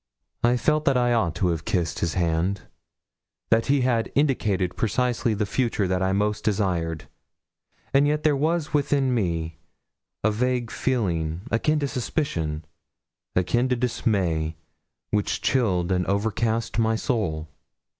I felt that I ought to have kissed his hand that he had indicated precisely the future that I most desired; and yet there was within me a vague feeling, akin to suspicion akin to dismay which chilled and overcast my soul.